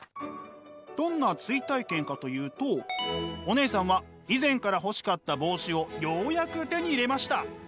どんな追体験かというとお姉さんは以前から欲しかった帽子をようやく手に入れました。